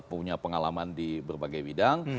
punya pengalaman di berbagai bidang